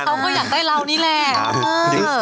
เขาก็อยากได้เรานี่แหละ